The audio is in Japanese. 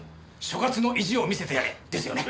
「所轄の意地を見せてやれ！」ですよね？